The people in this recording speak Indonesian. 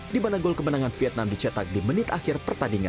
di mana gol kemenangan vietnam dicetak di menang